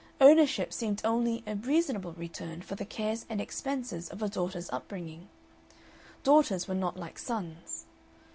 Ownership seemed only a reasonable return for the cares and expenses of a daughter's upbringing. Daughters were not like sons.